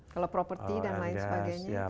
kalau property dan lain sebagainya itu